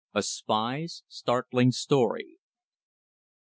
A SPY'S STARTLING STORY.